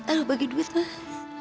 aduh bagi duit mas